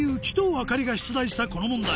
明里が出題したこの問題